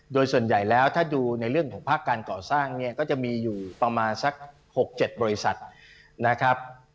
โดยส่วนใหญ่แล้วถ้าดูในเรื่องของภาคการก่อสร้างเนี่ยก็จะมีอยู่ประมาณสัก๖๗บริษัทนะครับ